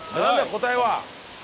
答えは！